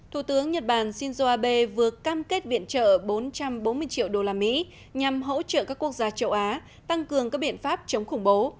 thủ tướng nhật bản shinzo abe vừa cam kết viện trợ bốn trăm bốn mươi triệu đô la mỹ nhằm hỗ trợ các quốc gia châu á tăng cường các biện pháp chống khủng bố